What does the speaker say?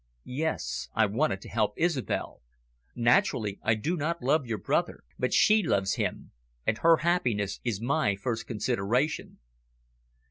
"Yes, I wanted to help Isobel. Naturally, I do not love your brother, but she loves him. And her happiness is my first consideration."